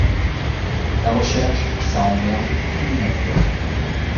la recherche ça emmerde tout le monde.